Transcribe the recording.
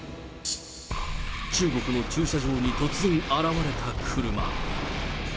中国の駐車場に突然現れた車。